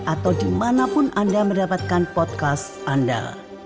atau dimanapun anda mendapatkan podcast anda